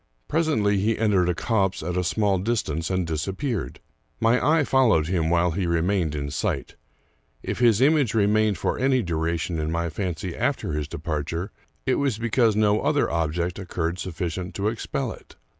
Presently he entered a copse at a small dis tance, and disappeared. My eye followed him while he remained in sight. If his image remained for any dura tion in my fancy after his departure, it was because no other object occurred sufficient to expel it.